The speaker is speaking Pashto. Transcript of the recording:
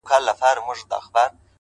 پر زود رنجۍ باندي مي داغ د دوزخونو وهم-